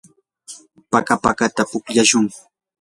paka pakata pukllashun.